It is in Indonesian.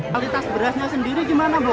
kualitas berasnya sendiri gimana bu